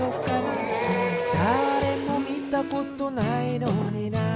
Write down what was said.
「だれもみたことないのにな」